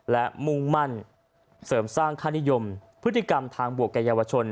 และมุ่งมั่นเสริมสร้างค่านิยมพฤติกรรมทางบวกแก่เยาวชน